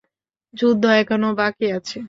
যুদ্ধ এখনও বাকি আছে।